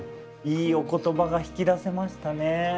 いいお言葉が引き出せましたね。